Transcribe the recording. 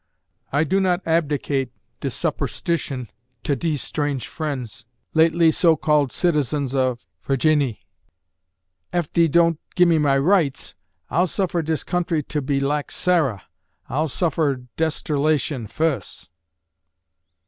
I do not abdicate de supperstition tuh dese strange friens, lately so called citizens uh Ferginny. Ef dee don' gimme my rights, I'll suffer dis country tuh be lak Sarah. I'll suffer desterlation fus!"...